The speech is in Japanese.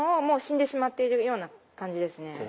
もう死んでいるような感じですね。